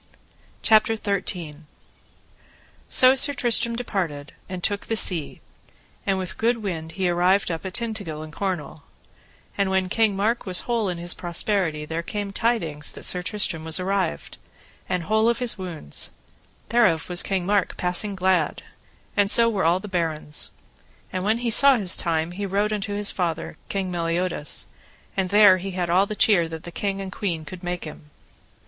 CHAPTER XIII. How Sir Tristram and King Mark hurted each other for the love of a knight's wife. So Sir Tristram departed, and took the sea, and with good wind he arrived up at Tintagil in Cornwall; and when King Mark was whole in his prosperity there came tidings that Sir Tristram was arrived, and whole of his wounds: thereof was King Mark passing glad, and so were all the barons; and when he saw his time he rode unto his father, King Meliodas, and there he had all the cheer that the king and the queen could make him.